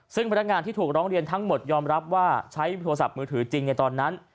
ซึ่งพนักงานที่ถูกร้องเรียนทั้งหมดยอมรับว่าใช้โทรศัพท์มือถือจริงในตอนนั้น